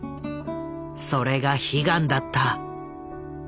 それが悲願だった。